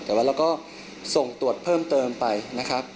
แต่ว่าเราก็ส่งตรวจเพิ่มเติมไปนะครับ